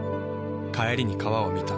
帰りに川を見た。